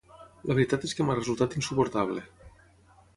La veritat és que m'ha resultat insuportable.